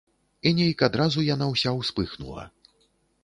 І нейк адразу яна ўся ўспыхнула.